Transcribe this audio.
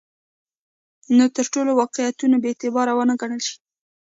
نور ټول واقعیتونه بې اعتباره ونه ګڼل شي.